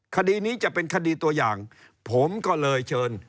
คดีนี้จะเป็นคดีตัวอย่างผมก็เลยเชิญ